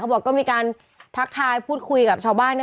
บอกก็มีการทักทายพูดคุยกับชาวบ้าน